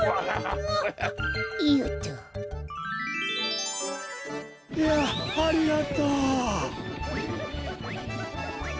いやありがとう。